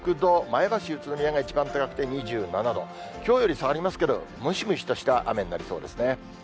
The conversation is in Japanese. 前橋、宇都宮が一番高くて２７度、きょうより下がりますけど、ムシムシとした雨になりそうですね。